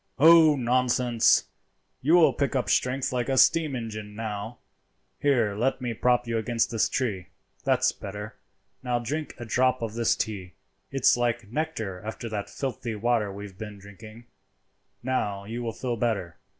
"Oh, nonsense! you will pick up strength like a steam engine now. Here, let me prop you against this tree. That's better. Now drink a drop of this tea; it's like nectar after that filthy water we have been drinking. Now you will feel better.